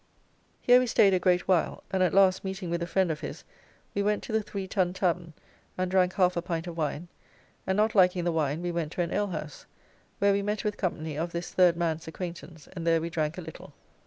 Here we stayed a great while, and at last meeting with a friend of his we went to the 3 Tun tavern and drank half a pint of wine, and not liking the wine we went to an alehouse, where we met with company of this third man's acquaintance, and there we drank a little.